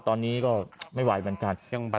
ตอนนี้ก็ไม่ไหวเหมือนกัน